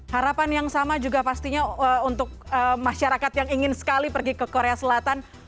harapan yang sama juga pastinya untuk masyarakat yang ingin sekali pergi ke korea selatan